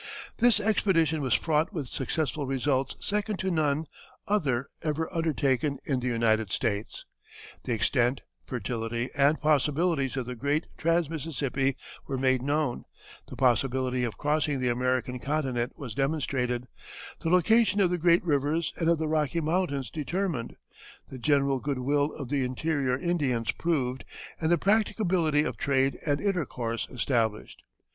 This expedition was fraught with successful results second to none other ever undertaken in the United States. The extent, fertility, and possibilities of the great trans Mississippi were made known, the possibility of crossing the American continent was demonstrated, the location of the great rivers and of the Rocky Mountains determined, the general good will of the interior Indians proved, and the practicability of trade and intercourse established.